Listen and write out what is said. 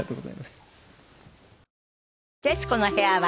『徹子の部屋』は